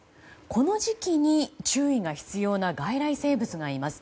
この時期に注意が必要な外来生物がいます。